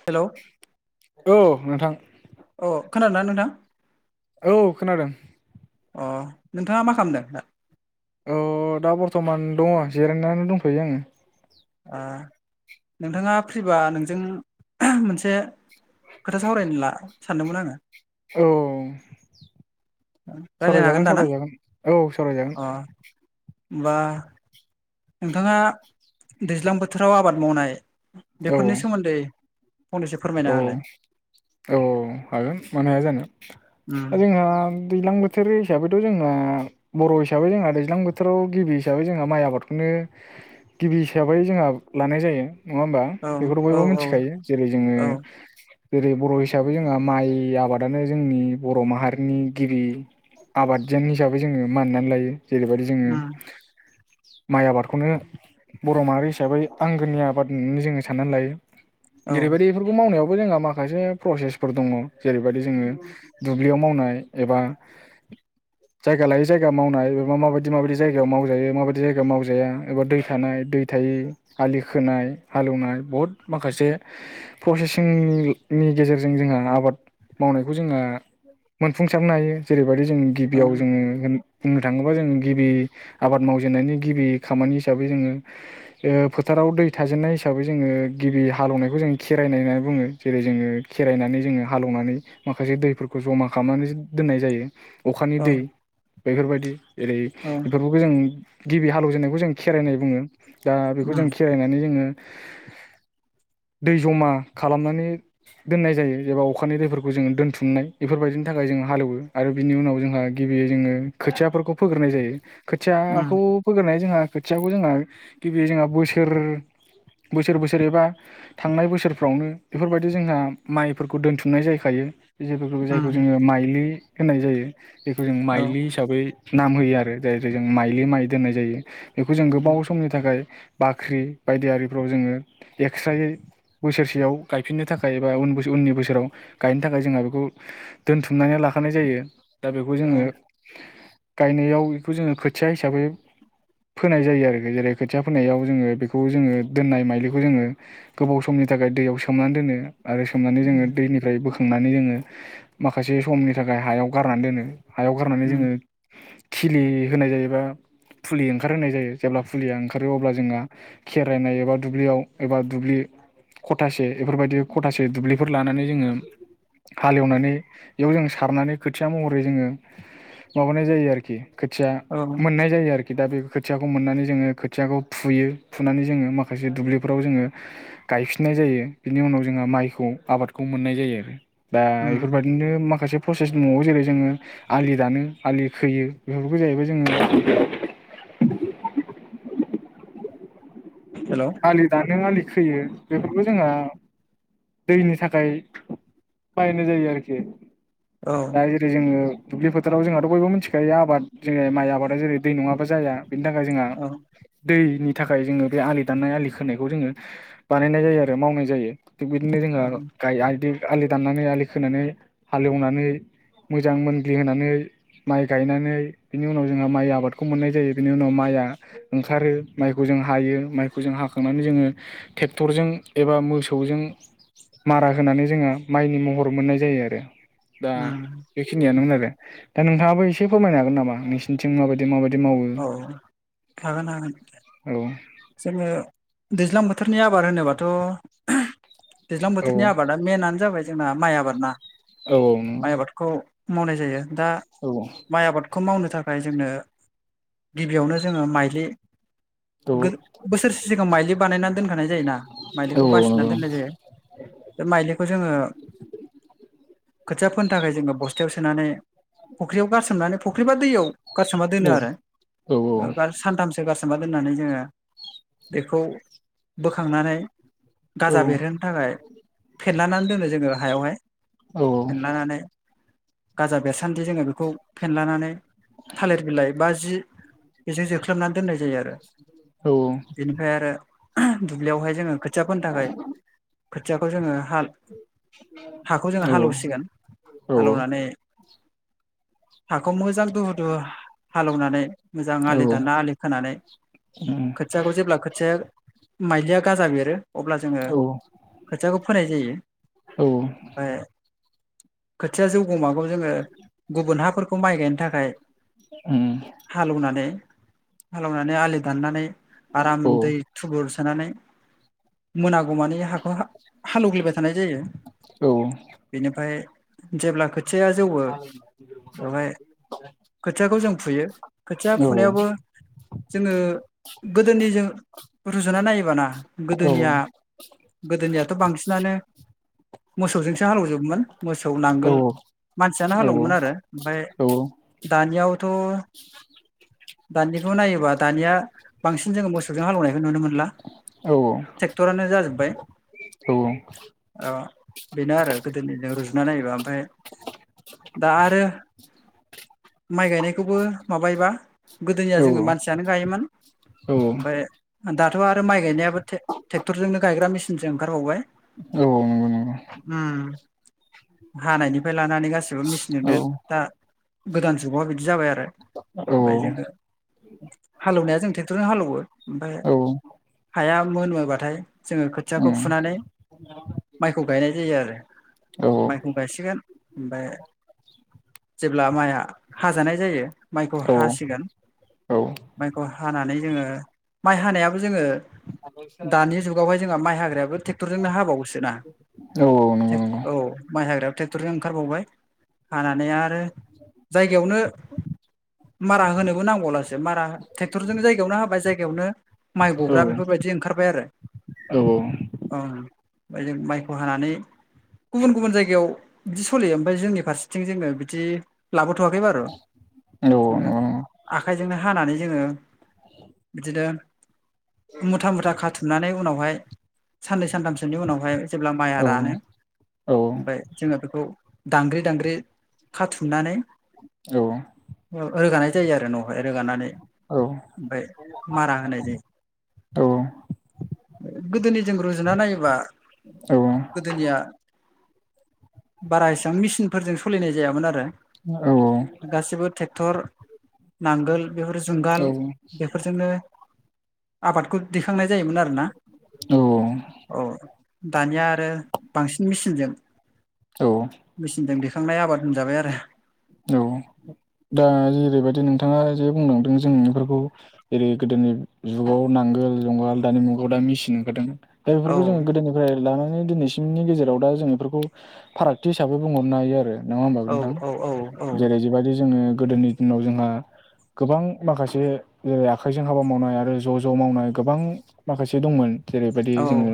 हेल' औ नोंथां अ खोनादोंना नोंथां औ खोनादों अ नोंथाङा मा खालामदों औ दा बर्थमान दङ' जिरायनानै दंथ'यो आङो ओ नोंथाङा फ्रिबा नोंजों मोनसे खोथा सावरायनो ला सानदोंमोन आङो औ रायलायनो सावरायजागोन हागोन दा ना सावरायजागोन औ सावरायजागोन अ होमबा नोंथाङा दैज्लां बोथोराव आबाद मावनाय बेफोरनि सोमोन्दै फंनैसो फोरमायना औ औ होलाय औ औ हागोन मानो हाया जानो उम दा जोंहा दैलां बोथोर हिसाबैथ' जोंना बर' हिसाबै जोंहा दैज्लां बोथोराव गिबि हिसाबै जोंहा माइ आबादखौनो [unintelligible] गिबि हिसाबै जोंहा लानाय जायो नङा होमबा औ बेखौथ' औ बयबो औ मोनथिखायो जेरै जोङो औ जेरै बर' हिसाबै जोंहा माइ आबादानो जोंनि बर' माहारिनि गिबि आबाद जें हिसाबै जोङो मानिनानै लायो जेरैबायदि जोङो उम माइ आबादखौनो बर' माहारि हिसाबै आंगोनि आबाद होननानै जोङो साननानै लायो औ जेरैबायदि इफोरखौ मावनायावबो जोंहा माखासे प्रसेसफोर दङ' जेरैबायदि जोङो दुब्लियाव मावनाय एबा जायगा लायै जायगा मावनाय एबा माबायदि माबायदि जायगायाव मावजायो माबायदि जायगायाव मावजाया एबा दै थानाय दै थायि आलि खोनाय हालौवनाय बहुद माखासे प्रसेसिंनि गेजेरजों जोंहा आबाद मावनायखौ जोङा मोनफुंसारनो हायो जेरैबायदि जों औ गिबियाव जोङो एम बुंनो थाङोबा जोङो गिबि आबाद मावजेननायनि गिबि खामानि हिसाबै जोङो ओ फोथार फोराव दै थाजेननाय हिसाबै जोङो गिबि हालेवनायखौ जों खेरायनाय होननानै बुङो जेरै जोङो खेरायनानै जोङो हालेवनानै माखासे दैफोरखौ जमा खालामनानै दोननाय जायो अखानि औ दै बेफोरबायदि जेरै औ बेफोरखौबो जों गिबि हालेवजेननायखौ जों खेराइनाय बुङो दा बेखौ उम जों खेरायनानै जोङो दै जमा खालामनानै दोननाय जायो। जेब्ला अखानि दैफोरखौ जोङो दोनथुमनाय बेफोरबायदिनि थाखाय जों हालेवो आरो बिनि उनाव जोंहा गिबियै जोङो खोथियाफोरखौ फोग्रोनाय जायो। उम खोथियाखौ फोगोरनाया जोंहा खोथियाखौ जोंहा गिबियै जोंहा बोसोर बोसोर बोसोर एबा थांनाय बोसोर फ्रावनो बेफोरबायदि जोंहा माइफोरखौ दोन्थुमनाय जायखायो जेफोरखौ जायखौ उम जोङो माइलि। होननाय जायो बेखौ जों औ माइलि हिसाबै नाम होयो आरो जायखो जों माइलि माइ दोननाय जायो बेखौ जों उम गोबाव समनि थाखाय बाख्रि बायदि आरिफ्राव जोङो एक्स्रायै बोसोरसेयाव गायफिननो थाखाय एबा उन उननि बोसोराव गायनो थाखाय जोंहा बेखौ दोनथुमनाय नाय लाखानाय जायो दा बेखौ औ जोङो गायनायाव बेखौ जोङो खोथिया हिसाबै फोनाय जायो आरोखि जेरै खोथिया फोनायाव जोङो बेखौ जोङो दोननाय माइलिखौ जोङो गोबाव समनि थाखाय दैयाव सोमनानै दोनो आरो सोमनानै जोङो उम दैनिफ्राय बोखां नानै जोङो माखासे समनि थाखाय हायाव गारनानै दोनो हायाव गारनानै जोङो उम खिलि होनाय जायोबा फुलि ओंखारहोनाय जायो जेब्ला फुलिया ओंखारो अब्ला जोंहा खेराइनाय एबा दुब्लियाव एबा दुब्लि खथासे एफोरबायदि खथासे दुब्लिफोर लानानै जोङो हालेवनानै इयाव जों सारनानै खोथिया महरै जोङो माबानाय जायो आरोखि। खोथिया औ मोननाय जायो आरो खि दा बे खोथियाखौ मोननानै जोङो खोथियाखौ फुयो फुनानै जोङो माखासे दुब्लिफोराव जोङो गायफिननाय जायो बिनि उनाव जोंहा माइखौ आबादखौ मोननाय जायो आरो। दा उम बेफोरबायदिनो माखासे प्रसेस न'आव जेरै जोङो आलि दानो आलि खोयो बेफोरखौ जाहैबाय जोङो [inaudible] हेलौ आलि दानो आलि खोयो बेफोरखौ जोंहा दैनि थाखाय बानायनाय जायो आरोखि औ दा जेरै जोङो दुब्लि फोथाराव जोंहाथ' बयबो मिथिखायो आबाद जों माइ आबादा जेरै दै नङाबा जाया। बेनि थाखाय जोंहा दैनि थाखाय जोङो बे आलि दाननाय आलि खोनायखौ जोङो बानायनाय जायो आरो मावनाय जायो थिग बिदिनो औ जोंहा गाय आय दै आलि दाननानै आलि खोनानै हालेवनानै मोजां मोनग्लि होनानै माइ गायनानै बिनि उनाव जोंहा माइ आबादखौ मोननाय जायो बिनि उनाव माइ या ओंखारो माइखौ जों हायो मा यखौ जों हाखांनानै जोङो ट्रेक्टरजों एबा मोसौजों मारा होनानै जोङो माइनि महर मोननाय जायो आरो। दा उम बेखिनियानोमोन आरो दा नोंथाङाबो एसे फोरमायनो हागोन नामा नोंसिनिथिं माबाय बिदि माबायदि मावो औ हागोन हागोन औ जोङो दैज्लां बोथोरनि आबाद होनोबाथ' दैज्लां बोथोरनि औ आबादा मेनानो जाबाय जोंना माइ आबाद ना। औ औ नंगौ। माइ आबादखौ मावनाय जायो दा औ माइ आबाद खौ मावनो थाखाय जोंनो गिबियावनो जोङो माइलि बोसोरसे सिगां माइलि बानायना दोनखानाय जायोना औ माइलिखौ बासिनानै नंगौ दोननाय जायो। बे माइलिखौ जोङो खोथिया फोनो थाखाय जोङो बस्थायाव सोनानै फख्रियाव गारसोमनानै फुख्रिबा दैयाव गारसोमना दोनो औ आरो औ सानथामसो गारसोमना दोननानै जोङो बेखौ बोखांनानै गाजा बेरहोनो थाखाय फेनलानानै दोनो जोंङो हायावहाय फेनलानानै गाजा बेरसान्दि जोंङो बेखौ फेनलानानै थालिर बिलाइ बा जि बेजों जोख्लोबनानै दोननाय जायो आरो औ बिनिफ्राय आरो दुब्लियावहाय जोंङो खोथिया फोनो थाखाय खोथियाखौ जोंङो हा- खौ जोंङो हालेवसिगोन औ हालेवनानै खौ मोजां दुहु दुहु हालेवनानै मोजां औ आलि दानना आलि खोनानै खोथियाखौ जेब्ला खोथिया माइलिया गाजा बेरो अब्ला जोंङो खोथियाखौ फोनाय जायो ओमफ्राय खोथिया जौगौ मागौ जोंङो गुबुन हाफोरखौ माइ गायनो थाखाय हालेवनानै हालेवनानै आलि दाननानै आराम दै थुबुर सोनानै मोना- गौमानि हाखौ हालेवग्लिबाय थानाय जायो बेनिफ्राय जेब्ला खोथिया जौवो बेवहाय [inaudible] खोथियाखौ जों फुयो खोथिया फुनायावबो जोंङो गोदोनिजों रुजुना नायोबाना गोदोनिया गोदोनिया थ बांसिनानो मोसौजोंसो हालेवजोबोमोन मोसौ नांगोल मानसियानो हालेवोमोन आरो ओमफ्राय उम औ दानियावथ दानिखौ नायोबा दानिया बांसिन जोंङो मोसौजों हालेवनायखौ नुनो मोनला उम ट्रेक्टरानो जाजोब्बाय औ बेनो आरो गोदोनिजों रूजु- ना नायोबा ओमफ्राय दा आरो माइ गायनायखौबो माबायोबा गोदोनिया जोंङो मानसियानो गायोमोन औ औ ओमफ्राय दाथ आरो माइ गायनायाबो ट्रेक्टरजोंनो गायग्रा मेसिनसो ओंखारबावबाय औ ओम हानायनिफ्राय लानानै गासि एबा मेसिन दोनो औ ता गोदान जुगाव बिदि जाबाय आरो औ नंगौ औ ओमफाय जोंङो हालेवनाया जों ट्रेकथरजों हालेवो ओफ्राय हाया मोनोबाथाय जोंङो खोथियाखौ उम फुनानै माइखौ गायनाय जायो आरो औ माइखौ गायसिगोन ओमफ्राय जेब्ला माइआ हाजानाय जायो माइखौ हासिगोन माइखौ हा हानानै जोंङो माइ हानायाबो जोंङो दानि जुगावहाय जोंहा माइ हागरा ट्रेक्टरजोंनो हाबावोसोना नंगौ नंगौ औ माइ हाग्र्रायाबो ट्रेक्टरजों ओंखारबावबाय हानानै आरो जायगायावनो मारा होनोबो नांबावलासो मारा ट्रेक्टरजों जायगायावनो हाबाय जायगायावनो माइ गगरा औ बेफोरबायदि ओंखारबाय आरो नंगौ औ ओमफ्राय जों माइखौ हानानै गुबुन गुबुन जायगायाव बिदि सलियो ओमफ्राय जोंनि फारसेथिं जोंङो बिदि लाबोथवाखै बारु नंगौ जोंङो औ आखाइजोंनो हानानै जोंङो बिदिनो मुथा मुथा खाथुमनानै उनावहाय साननै सानथामसोनि उनावहाय जेब्ला माइया औ औ रानो ओमफफ्राय जोंङो बेखौ दांग्रि दांग्रि खाथुमनानै औ औ रोगानाय जायो आरो नावहाय रोगानानै ओमफ्राय मारा होनाय जायो गोदोनिजों रुजुना नायोबा औ गोदोनिया बारा एसेबां मेचिनफोरजों सोलिनाय जायामोन आरो औ औ गासिबो ट्रेक्टर नांगोल बेफोर औ जुंगाल बेफोरजोंनो आबादखौ दिखांनाय जायोमोन आरोना औ औ दानिया आरो बांसिन मेचिनजों औ मेचिनजों दैखांनाय आबाद होनजाबाय आरो। औ दा जेरैबायदि नोंथाङा जे बुंलांदों जों बेफोरखौ जेरै गोदोनि जुगाव नांगो जोल जुंगाल दानि मुगायाव दा मिसिन ओंखारदोंमोन दा औ बेफोरखौ जोङो गोदोनिफ्राय लानानै दिनैसिमनि गेजेराव दा जों बेफोरखौ फारागथि हिसाबै बुंहरनो हायो आरो। नङा होनोमबा औ नोंथां औ औ औ जेरै जिबायाददि जोङो गोदोनि दिनाव जोंहा गोबां माखासे जेरै आखाइजों हाबा मावनाय आरो ज' ज' मावनाय गोबां माखासे दंमोन जेरैबायदि जोङो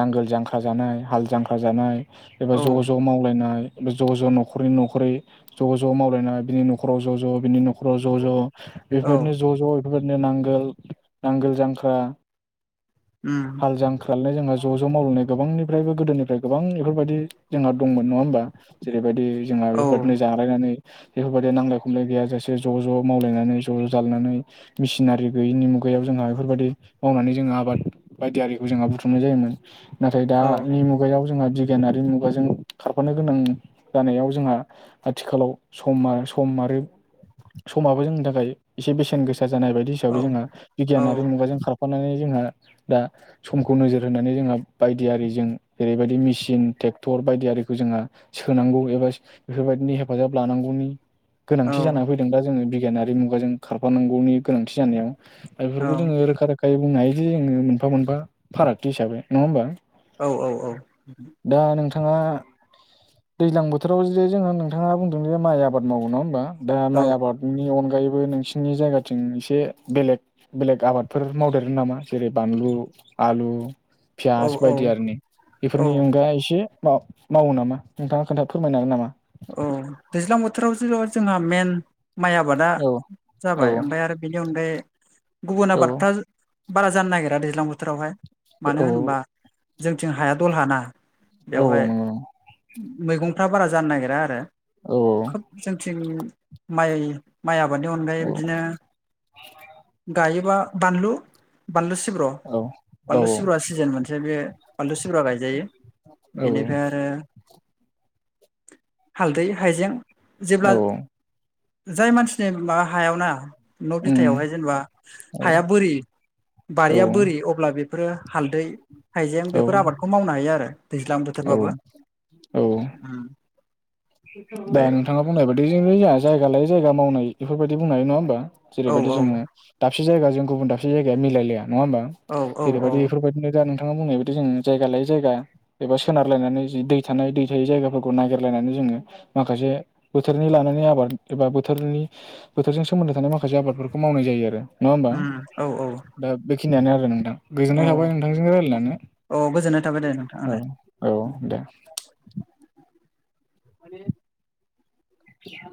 नांगोल जांख्रा जानाय हाल जांख्रा जानाय एबा औ ज' ज' मावलायनाया एबा ज ज नखरै नखरै ज' ज' मावलायनाय बिनि न'खराव ज' ज' बिनि नखराव ज ज औ बेफोरबायदिनो ज' ज' बेफोरबायदि बिनो नांगोल नांगोल जांख्रा उम हाल जांख्रानालाय जोंहा ज' ज' ज' मावलायनाय गोबांनिफ्रायबो गोदोनिफ्राय गोबां बेफोरबायदि जोंहा दंमोन नङा होमबा जेरै बेबायदि जोंना औ बेफोरनो जालायनानै बेफोरबायदि नांलाय खमलाय गैयााजासे ज' ज' मावलायनानै ज' ज' जालायनानै मेसिनारि गैयिनि मुगायाव गायाव जोंहा बेफोरबायदि मावनानै जोङो आबाद बायदि आरिखौ जोंहा बुथुमनाय जायोमोन नाथाय औ दानि मुगायाव जोंहा बिगियानारि मुगाजों खारफानो गोनां जानायाव जोंहा आथिखालाव समा सम आरो समाबो जोंनि थाखाय एसे बेसेन गोसा जानाय बायदि हिसाबै औ जोंहा बिगियानारि औ मुगाजों खारफानानै जोंहा दा समखौ नोजोर होनानै जोंहा बायदि आरिजों जेरैबायदि मेसिन ट्रेक्टर बायदि आररिखौ जों जोंआ सोनांगौ एबा बेफोरबायदिनि हेफाजाब लानांगौनि औ गोनांथि जानानै फैदों दा जोङो बिगियानारि मुगाजों खारफानांगौनि गोनांथि जानायाव बेफोरखौ जोङो रोखा रोखायै बुंनो हायो जे जोङो मोनफा मोनफा फारागथि हिसाबै नङा होमबा? औ औ औ। दा नोंथाङा दैज्लां बोथोराव जुदि जोंहा नोंथाङा बुंदों जे माइ आबाद मावो नङा होनबा? दा औ माइ आबादनि अनगायै गायैबो नोंसिनि जायगाथिं एसे बेलेग बेलेग आबादफोर मावदेरो नामा जेरै बानलु आलु पियास बायदि औ आरो न औ बेफोरनि अनगाया एसे माव मावो नामा नोंथाङा खोन्था फोरमायनागोन नामा? औ दैज्लां बोथोराव जिथ जोंहा मेन माइ आबादा औ औ जाबाय ओमफ्राय आरो बेनि अनगायै गुबुन औ आबादफ्रा बारा जानो नागिरा दैज्लां बोथोरावहाय मानो औ होनबा जोंथिं हाया दलहाना बेवहाय औ नंगौ मैगंफ्रा बारा जानो नागिरा आरो। औ खोब जोंथिं माइ माइ आ बादनि अनगायै औ बिदिनो गायोबा बानलु बानलु सिब्र' औ औ बानलु सिब्रुआ सिजोन मोनसे बे बानलु सिब्र सुरा गायजायो औ बेनिफ्राय आरो हालदै हायजें जेब्ला औ जाय मानसिनि माबा हायाव ना न' उम बिथथायावहाय जेनेबा औ हाया बोरि औ बारिया बोरि अब्ला बेफोरो हालदै हाइजें बेफोर औ आबादखौ मावनो हायो आरो। दैज्लां बोथोरबाबो औ ओम। दा नोंथाङा बुंनाय बादि जों ङा जायगा लायै जायगा मावनाय बेफोरबायदि बुंनाय नङा होनबा? औ जेरैबायदि औ जोङो दाबसे जायगाजों गुबुन दाबसे जायगाया मिलायलाया नङा होमबा औ औ औ जेरैबायदि बेफोरबायदिनो दा जादों। नाङा बुंनाय बायदि जों जायगा लायै जायगा एबा सोनारलायनानै जि दै थानाय दै थायै जायगाफोरखौ नागिरलायनानै जोङो माखासे बोथोरनि लानानै आबाद एबा बोथोरनि बोथोरजों सोमोन्दो थानाय माखासे आबादफोरखौ माव मावनाय जायो आरो। उम औ औ। खिनियानो आरो नोंथां। औ गोजोननाय थाबाय नोंथांजों रायलायनानै औ गोजोननाय थाबाय दे नोंथां औ औ दे। माने [inaudible]